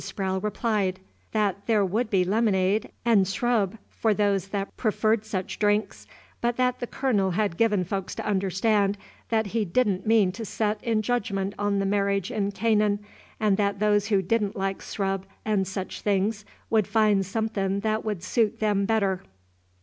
Sprowle replied, "that there would be lemonade and srub for those that preferred such drinks, but that the Colonel had given folks to understand that he did n't mean to set in judgment on the marriage in Canaan, and that those that didn't like srub and such things would find somethin' that would suit them better."